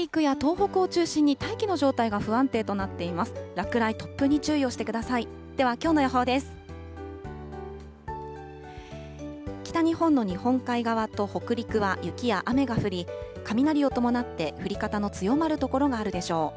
北日本の日本海側と北陸は雪や雨が降り、雷を伴って降り方の強まる所があるでしょう。